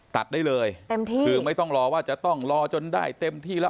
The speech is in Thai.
ตัดได้เลยเต็มที่คือไม่ต้องรอว่าจะต้องรอจนได้เต็มที่แล้ว